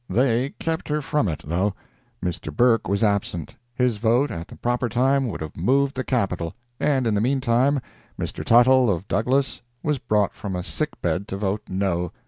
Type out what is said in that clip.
They kept her from it, though. Mr. Burke was absent. His vote, at the proper time, would have moved the Capital—and in the meantime, Mr. Tuttle, of Douglas, was brought from a sick bed to vote no.